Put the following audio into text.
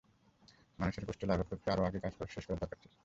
মানুষের কষ্ট লাঘব করতে আরও আগেই কাজ শেষ করার দরকার ছিল।